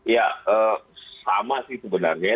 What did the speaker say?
ya sama sih sebenarnya